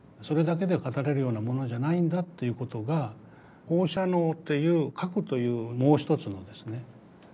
それだけで語れるようなものじゃないんだっていうことが放射能っていう核というもう一つのですね